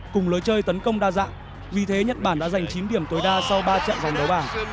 cùng lối chơi tấn công đa dạng vì thế nhật bản đã giành chín điểm tối đa sau ba trận giành đấu bảng